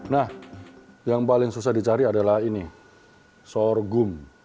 nah yang paling susah dicari adalah ini sorghum